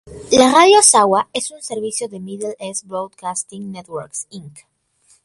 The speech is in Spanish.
La Radio Sawa es un servicio de Middle East Broadcasting Networks, Inc.